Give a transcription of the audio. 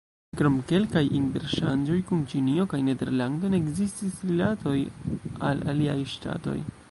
Krom kelkaj interŝanĝoj kun Ĉinio kaj Nederlando ne ekzistis rilatoj al aliaj ŝtatoj.